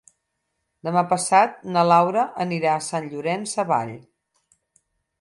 Demà passat na Laura anirà a Sant Llorenç Savall.